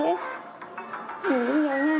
đuối nhau nhau